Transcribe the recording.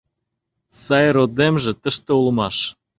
Сай родемже тыште улмаш.